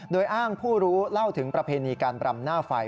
โดยอ้างผู้รู้เล่าถึงประเพณีการบรำหน้าไฟ